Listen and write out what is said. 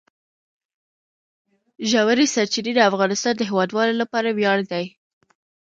ژورې سرچینې د افغانستان د هیوادوالو لپاره ویاړ دی.